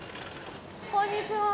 こんにちは。